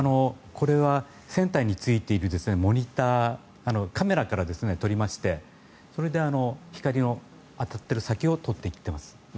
これは船体についているモニターカメラから取りましてそれで光の当たっている先を取っていっています。